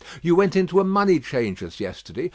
You went into a money changer's yesterday.